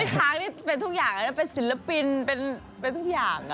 ค้างนี่เป็นทุกอย่างเลยนะเป็นศิลปินเป็นทุกอย่าง